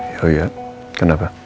ya ya kenapa